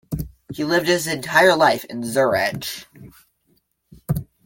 He lived his entire life in Zurich.